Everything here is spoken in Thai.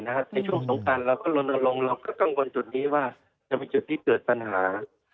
ในช่วงสงการเราก็ลนลงเราก็กังวลจุดนี้ว่าจะมีจุดที่เกิดปัญหา